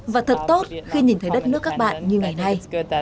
và thật tốt khi nhìn thấy đất nước các bạn như ngày nay